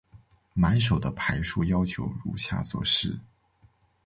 满手的牌数要求如下所示。